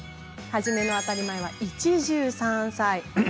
初めの当たり前は一汁三菜です。